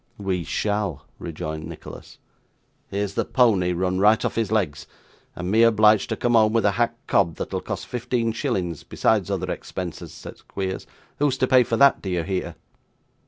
'We shall,' rejoined Nicholas. 'Here's the pony run right off his legs, and me obliged to come home with a hack cob, that'll cost fifteen shillings besides other expenses,' said Squeers; 'who's to pay for that, do you hear?